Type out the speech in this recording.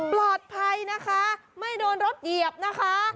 ปลอดภัยนะคะไม่โดนรถเหยียบนะคะ